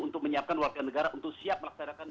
untuk menyiapkan warga negara untuk siap melaksanakan